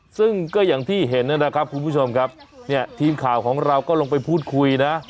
ซึ่งก็อย่างที่เห็นนะครับคุณผู้ชมครับเนี่ยทีมข่าวของเราก็ลงไปพูดคุยนะ